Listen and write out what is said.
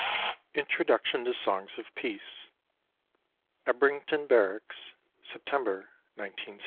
INTRODUCTION TO SONGS OF PEACE Ebrington Barracks, September, 19 16.